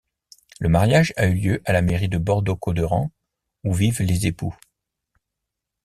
Le mariage a eu lieu à la mairie de Bordeaux-Cauderan où vivent les époux.